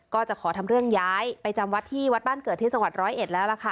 ก็จะขอทำเรื่องย้ายไปจำวัดที่วัดบ้านเกิดที่จังหวัดร้อยเอ็ดแล้วล่ะค่ะ